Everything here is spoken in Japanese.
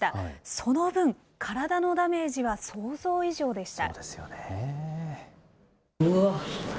その分、体のダメージは想像以上でした。